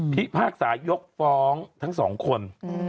ที่ภาคสายกฟ้องทั้ง๒คน